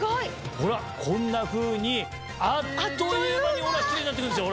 ほらこんなふうにあっという間にキレイになってくんですよ。